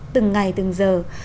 từng ngày từng giờ